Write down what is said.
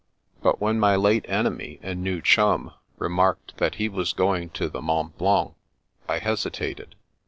But when my late enemy and new chum remarked that he was going to the Mont Blanc, I hesitated.